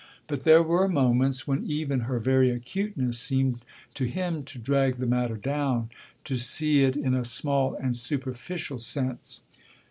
But there were moments when even her very acuteness seemed to him to drag the matter down, to see it in a small and superficial sense.